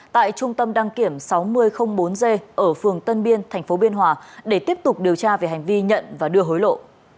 tại trung tâm đăng kiểm sáu nghìn bốn g ở phường tân biên tp biên hòa để tiếp tục điều tra về hành vi nhận và đưa hối lộ